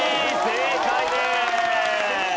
正解です。